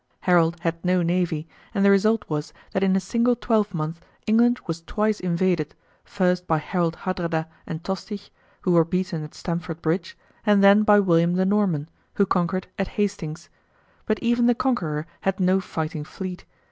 Harold had no navy, and the result was that in a single twelvemonth England was twice invaded, first by Harold Hadrada and Tostig, who were beaten at Stamford Bridge, and then by William the Norman, who conquered at Hastings. But even the Conqueror had no fighting fleet.